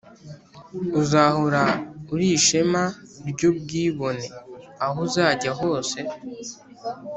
uzahora uri ishema ryubwibone, aho uzajya hose.